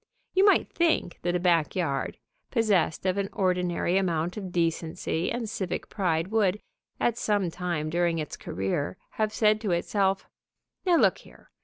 You might think that a back yard, possessed of an ordinary amount of decency and civic pride would, at some time during its career, have said to itself: "Now look here!